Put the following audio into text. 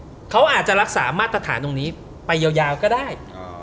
เขาอาจจะรักษามาตรฐานตรงนี้ไปยาวก็ได้